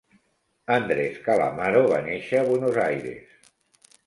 Andres Calamaro va néixer a Buenos Aires.